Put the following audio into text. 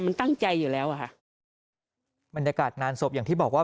มันตั้งใจอยู่แล้วอ่ะค่ะบรรยากาศงานศพอย่างที่บอกว่า